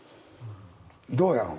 どうやろ？